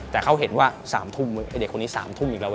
แต่เขาเห็นว่า๓ทุ่มไอ้เด็กคนนี้๓ทุ่มอีกแล้วว